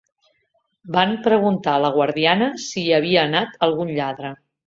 Van preguntar a la guardiana si hi havia anat algun lladre